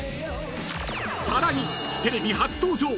［さらにテレビ初登場］